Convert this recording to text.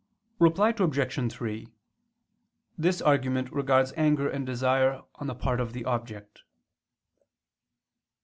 Reply Obj. 3: This argument regards anger and desire on the part of the object.